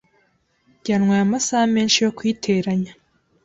Byantwaye amasaha menshi yo kuyiteranya.